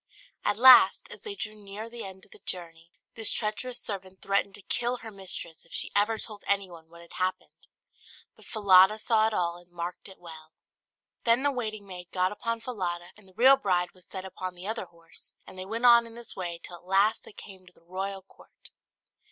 At last, as they drew near the end of the journey, this treacherous servant threatened to kill her mistress if she ever told anyone what had happened. But Falada saw it all, and marked it well. Then the waiting maid got upon Falada, and the real bride was set upon the other horse, and they went on in this way till at last they came to the royal court.